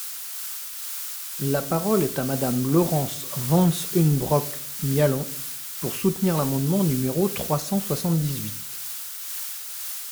La parole est à Madame Laurence Vanceunebrock-Mialon, pour soutenir l’amendement numéro trois cent soixante-dix-huit.